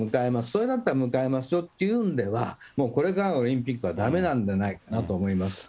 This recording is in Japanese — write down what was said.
それだったら迎えますよっていうんでは、もうこれからのオリンピックはだめなんじゃないかなと思います。